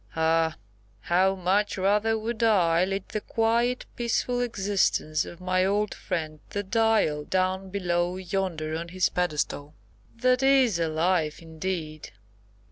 Ah! how much rather would I lead the quiet, peaceful existence of my old friend, the Dial, down below yonder on his pedestal. That is a life, indeed!"